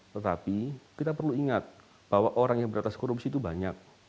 tetapi kita perlu ingat bahwa orang yang beratas korupsi itu banyak